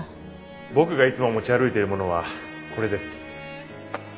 僕がいつも持ち歩いているものはこれです。